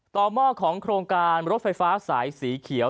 หม้อของโครงการรถไฟฟ้าสายสีเขียว